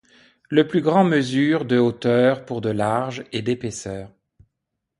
Le plus grand mesure de hauteur pour de large et d'épaisseur.